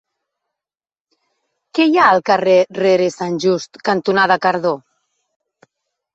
Què hi ha al carrer Rere Sant Just cantonada Cardó?